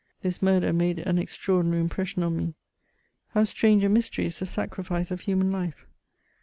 This murder made an extraordinary impression on me. How strange a mystery is the sacrifice of human life